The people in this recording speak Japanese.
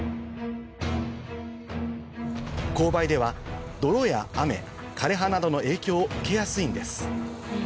勾配では泥や雨枯れ葉などの影響を受けやすいんです